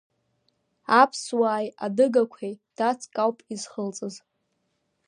Аԥсуааи адыгақәеи дацк ауп изхылҵыз.